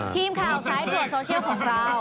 ทีมข่าวสายตรวจโซเชียลของเรา